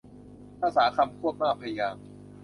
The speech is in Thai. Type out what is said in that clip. ภาษาคำควบมากพยางค์